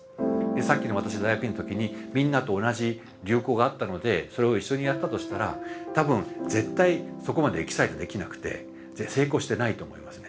さっきの私大学院の時にみんなと同じ流行があったのでそれを一緒にやったとしたら多分絶対そこまでエキサイトできなくて成功してないと思いますね。